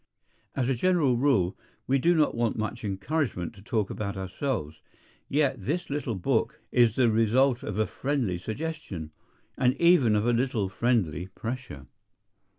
AS a general rule we do not want much encouragement to talk about ourselves; yet this little book[A] is the result of a friendly suggestion, and even of a little friendly pressure.